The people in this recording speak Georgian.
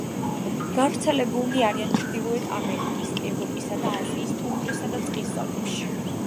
გავრცელებულნი არიან ჩრდილოეთ ამერიკის, ევროპისა და აზიის ტუნდრისა და ტყის ზონებში.